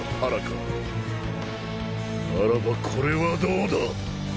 ならばこれはどうだ？